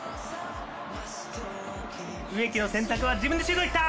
植木の選択は自分でシュートいった。